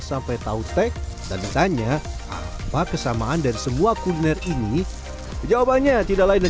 sampai tautek dan bertanya apa kesamaan dari semua kuliner ini jawabannya tidak lain dan